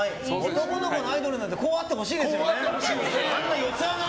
男の子のアイドルこうあってほしいですよね。